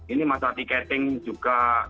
ini masalah tiketing juga